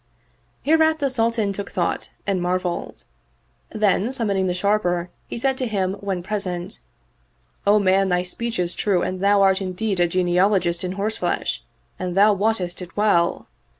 Hereat the Sultan took thought and mar veled ; then, summoning the Sharper he said to him when present, " O man, thy speech is true and thou art indeed a genealogist in horseflesh and thou wottest it well.